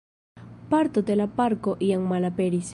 Parto de la parko jam malaperis.